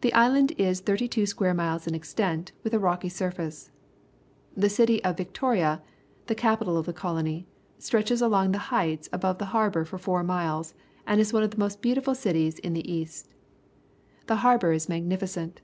The island is thirty two square miles in extent, with a rocky surface. The city of Yictoria, the capital of the colony, stretches along the heights above the harbour for four miles and is one of the most beautiful cities in the East. The harbou r is magnificent.